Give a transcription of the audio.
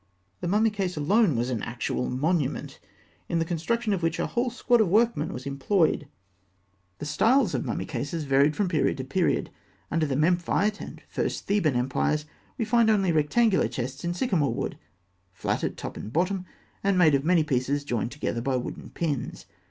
The mummy case alone was an actual monument, in the construction of which a whole squad of workmen was employed (fig. 261). The styles of mummy cases varied from period to period. Under the Memphite and first Theban empires, we find only rectangular chests in sycamore wood, flat at top and bottom, and made of many pieces joined together by wooden pins.